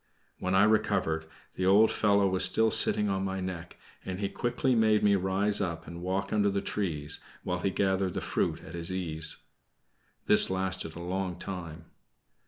When I recovered, the old fellow was still sitting on my neck, and he quickly made me rise up and walk under the trees, while he gathered the fruit at his ease. This lasted a long time.